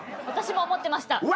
私も思ってました。